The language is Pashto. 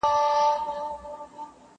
په خپل لاس مي دا تقدیر جوړ کړ ته نه وې٫